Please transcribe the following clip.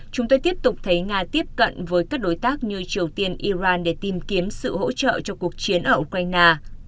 chúng tôi tiếp tục thấy nga tiếp cận với các đối tác như triều tiên iran để tìm kiếm sự hỗ trợ cho cuộc chiến ở ukraine